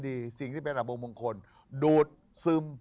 คิกคิกคิกคิกคิกคิกคิกคิก